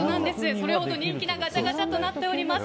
それほど人気なガチャガチャとなっております。